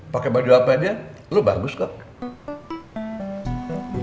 pakai baju apa dia lo bagus kok